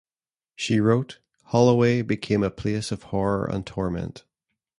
She wrote: Holloway became a place of horror and torment.